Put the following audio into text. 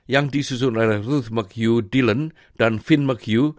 yang disusun oleh ruth mchugh dillon dan finn mchugh